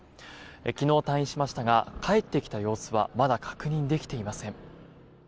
昨日、退院しましたが帰ってきた様子はまだ確認できていません。